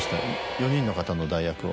４人の方の代役を。